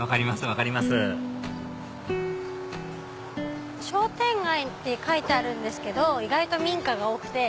分かります商店街って書いてあるんですけど意外と民家が多くて。